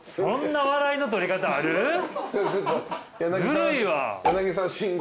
ずるいわ。